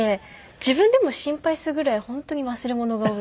自分でも心配するぐらい本当に忘れ物が多くて。